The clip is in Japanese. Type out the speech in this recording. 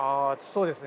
そうです。